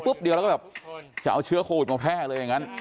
แบบเดียวก็เอาเชื้อโควิดเข้ามา